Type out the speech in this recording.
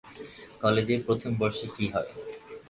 কলেজের প্রথম বর্ষে কী হয়?